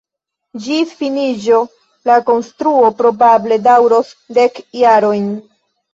Ĝis finiĝo la konstruo probable daŭros dek jarojn.